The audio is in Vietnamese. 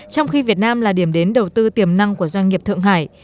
trong khi việt nam là điểm đến đầu tư tiềm năng của doanh nghiệp thượng hải